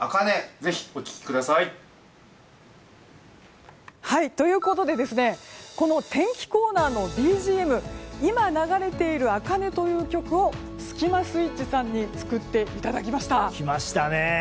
ぜひお聴きください。ということでこの天気コーナーのＢＧＭ今流れている「茜」という曲をスキマスイッチに作っていただきました。